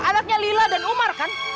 anaknya lila dan umar kan